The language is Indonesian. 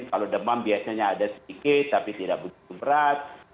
kalau demam biasanya ada sedikit tapi tidak begitu berat